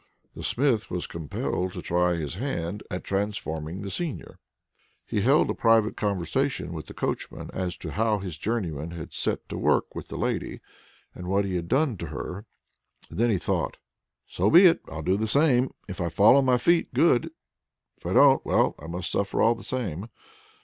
The Smith was compelled to try his hand at transforming the seigneur. He held a private conversation with the coachman as to how his journeyman had set to work with the lady, and what he had done to her, and then he thought: "So be it! I'll do the same. If I fall on my feet, good; if I don't, well, I must suffer all the same!"